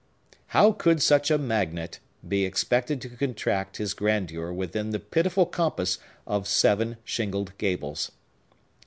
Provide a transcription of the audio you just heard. —how could such a magnate be expected to contract his grandeur within the pitiful compass of seven shingled gables?